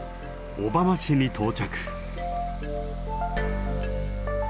小浜市に到着。